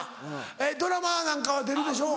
えっドラマなんかは出るでしょ？